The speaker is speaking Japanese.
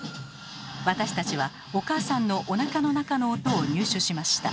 私たちはお母さんのおなかの中の音を入手しました。